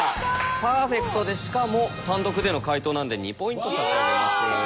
パーフェクトでしかも単独での解答なんで２ポイント差し上げます。